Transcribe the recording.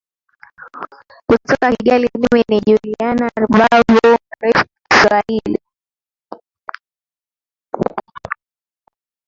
kutoka kigali mimi ni julian rubavu rfi kiswahili